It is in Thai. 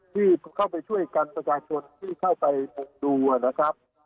ที่เข้าไปช่วยกันประชาชนที่เข้าไปมุ่งดูนะครับ